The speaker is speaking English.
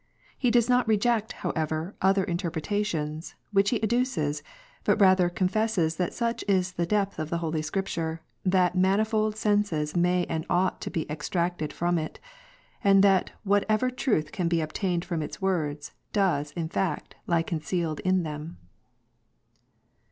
He does not reject, however, other interpretations, which he adduces, but rather confesses that such is the depth of Holy Scripture, that manifold senses may and ought to be extracted from it, and that whatever truth can be obtained from its words, does, in fact, lie concealed in them.